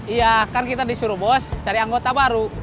iya kan kita disuruh bos cari anggota baru